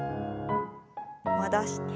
戻して。